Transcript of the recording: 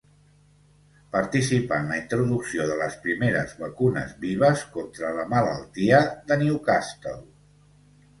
Participà en la introducció de les primeres vacunes vives contra la Malaltia de Newcastle.